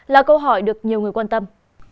là câu hỏi được nhiều người quan tâm